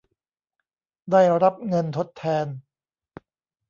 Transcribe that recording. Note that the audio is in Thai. ได้รับเงินทดแทน